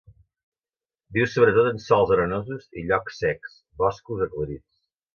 Viu sobretot en sòls arenosos i llocs secs, boscos aclarits.